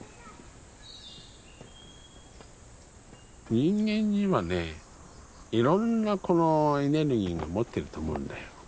人間にはねいろんなこのエネルギーが持ってると思うんだよ。